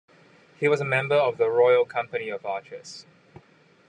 He was a member of the Royal Company of Archers.